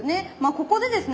ここでですね